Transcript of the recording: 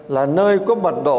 là nơi có mật độ